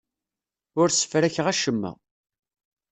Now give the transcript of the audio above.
Ur ssefrakeɣ acemma.